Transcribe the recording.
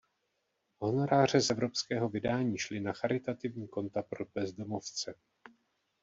Honoráře z evropského vydání šly na charitativní konta pro bezdomovce.